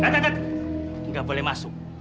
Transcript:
tidak tidak boleh masuk